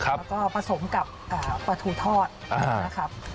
แล้วก็ผสมกับปลาทูทอดนะครับ